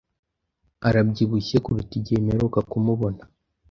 Arabyibushye kuruta igihe mperuka kumubona.